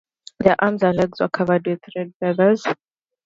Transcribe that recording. Their arms and legs were covered with red feathers.